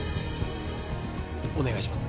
お願いします